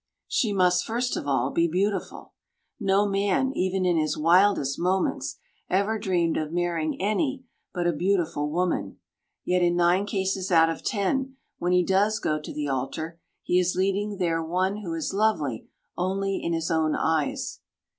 She must, first of all, be beautiful. No man, even in his wildest moments, ever dreamed of marrying any but a beautiful woman, yet, in nine cases out of ten when he does go to the altar, he is leading there one who is lovely only in his own eyes.